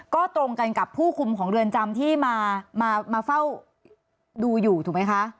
ก็ตรงกันกับผู้คุมของเรือนจำที่มาเฝ้าดูอยู่ถูกไหมคะ